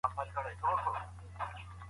سياستوال به ډېر ژر خپله نهايي پرېکړه اعلان کړي.